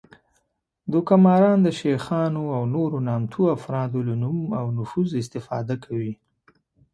دوکه ماران د شیخانو او نورو نامتو افرادو له نوم او نفوذ استفاده کوي